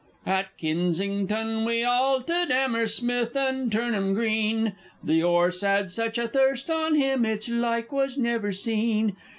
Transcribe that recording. _ At Kinsington we 'alted, 'Ammersmith, and Turnham Green, The 'orse 'ad sech a thust on him, its like was never seen!